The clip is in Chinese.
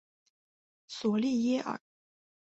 索利耶尔。